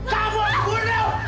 kamu akan dibunuh